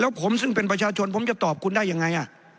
แล้วผมซึ่งเป็นประชาชนผมจะตอบคุณได้ยังไง